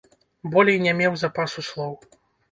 Болей не меў запасу слоў.